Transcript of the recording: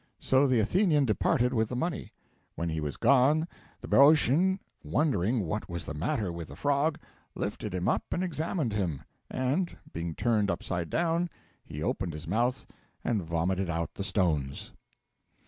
So the Athenian departed with the money. When he was gone the Boeotian, wondering what was the matter with the frog, lifted him up and examined him. And being turned upside down, he opened his mouth and vomited out the stones.